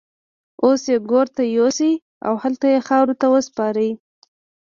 اوس يې ګور ته يوسئ او هلته يې خاورو ته وسپارئ.